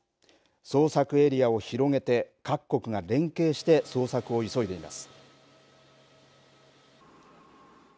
捜索エリアを広げて各国が連携して捜索を急いでいます。